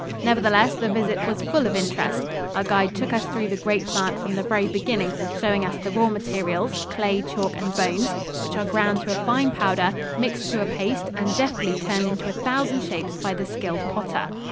Nevertheless, the visit was full of interest. Our guide took us through the great plant from the very beginning, showing us the raw materials clay, chalk and bones which are ground to a fine powder, mixed to a paste, and deftly turned into a thousand shapes by the skilled potter.